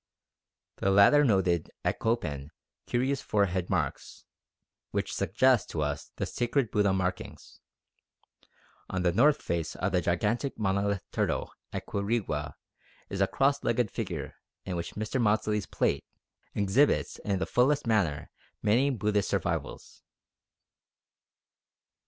The latter noted at Copan curious forehead marks which suggest to us the sacred Buddha markings. On the north face of the gigantic monolithic turtle at Quirigua is a cross legged figure which in Mr. Maudslay's plate exhibits in the fullest manner many Buddhist survivals.